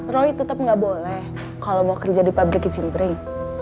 roy tetep gak boleh kalau mau kerja di pabrik izin breng